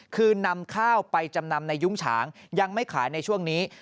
คือนำข้าวไปจำนำในยุ้งฉางยังไม่ขายในช่วงนี้